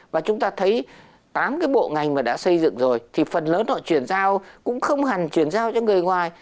và chúng ta thấy tám cái bộ ngành mà đã xây dựng rồi thì phần lớn họ chuyển giao cũng không hẳn chuyển giao cho người ngoài